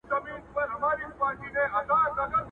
ما یي پر غاړه آتڼونه غوښتل.!